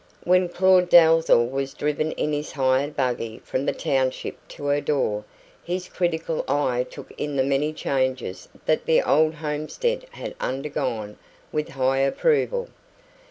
When Claud Dalzell was driven in his hired buggy from the township to her door, his critical eye took in the many changes that the old homestead had undergone with high approval.